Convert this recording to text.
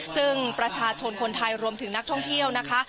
ซึ่งประชาชนคนไทยรวมถึงนักท่องเที่ยวนะคะ